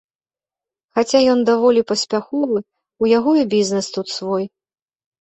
Хаця ён даволі паспяховы, у яго і бізнэс тут свой.